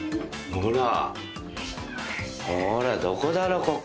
ほれどこだろうここ。